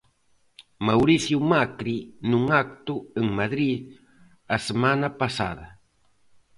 Mauricio Macri nun acto en Madrid a semana pasada.